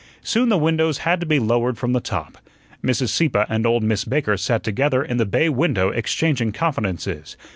Soon the windows had to be lowered from the top. Mrs. Sieppe and old Miss Baker sat together in the bay window exchanging confidences.